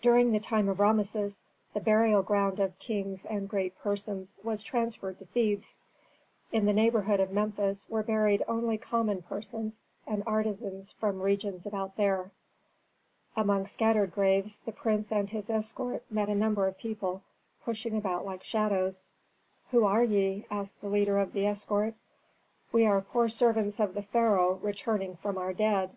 During the time of Rameses, the burial ground of kings and great persons was transferred to Thebes; in the neighborhood of Memphis were buried only common persons and artisans from regions about there. Among scattered graves, the prince and his escort met a number of people, pushing about like shadows. "Who are ye?" asked the leader of the escort. "We are poor servants of the pharaoh returning from our dead.